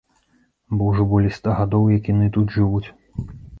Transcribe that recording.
Бо ўжо болей ста гадоў, як яны тут жывуць.